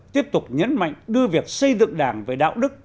tiếp tục nhấn mạnh đưa việc xây dựng đảng về đạo đức